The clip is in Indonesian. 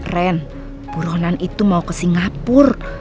ren buronan itu mau ke singapura